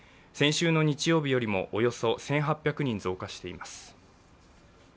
先週の日曜日よりもおよそ１８００人増加しています。